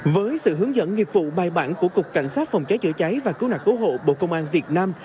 với sự hướng dẫn nghiệp vụ bài bản của cục cảnh sát phòng cháy chữa cháy và cứu nạn cứu hộ bộ công an việt nam